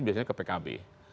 biasanya ke pkb